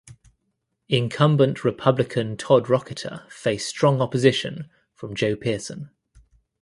Incumbent Republican Todd Rokita faced strong opposition from Joe Pearson.